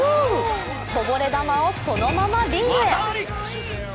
こぼれ球をそのままリングへ。